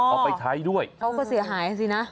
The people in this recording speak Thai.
เอาไปใช้ด้วยเขาก็เสียหายสินะ